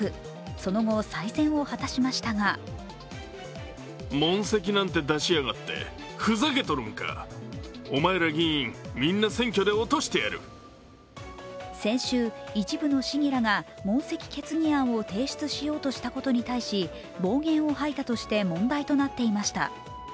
その後、再選を果たしましたが先週、一部の市議らが問責決議案を提出しようとしたことに対し、暴言を吐いたとして問題となっていました。